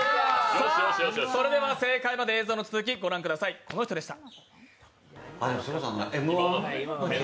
それでは正解まで映像の続きご覧ください、この人でした。